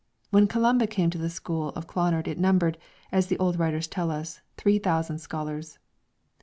When Columba came to the school of Clonard it numbered, as the old writers tell us, three thousand scholars.